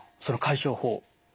その解消法。